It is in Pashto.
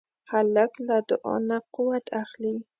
هلک له دعا نه قوت اخلي.